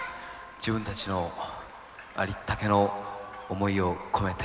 自分たちのありったけの思いを込めて。